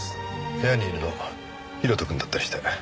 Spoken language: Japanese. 部屋にいるの広斗くんだったりして。